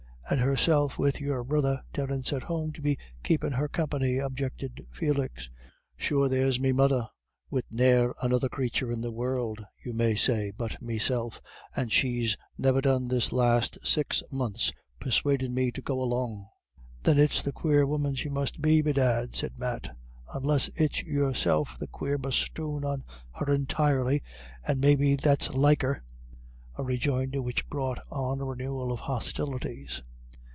"And herself wid your brother Terence at home to be keepin' her company," objected Felix. "Sure there's me mother wid ne'er another crathur in the world, you may say, but meself, and she's never done this last six months persuadin' me to go along." "Then it's the quare woman she must be, bedad," said Matt, "unless it's yourself's the quare bosthoon on her entirely, and maybe that's liker;" a rejoinder which brought on a renewal of hostilities.